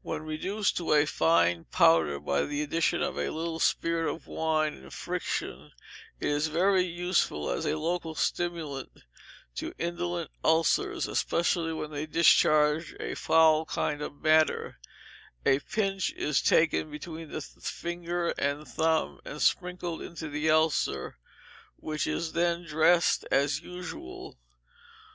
When reduced to a fine powder, by the addition of a little spirit of wine and friction, it is very useful as a local stimulant to indolent ulcers, especially when they discharge a foul kind of matter; a pinch is taken between the finger and thumb, and sprinkled into the ulcer, which is then dressed as usual.